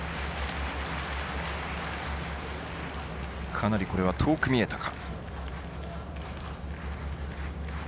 かなりこれは遠く見えたか。